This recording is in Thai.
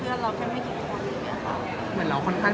้ดงามผู้ชายคุณช่วยรหนอย